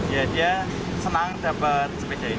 ya dia senang dapat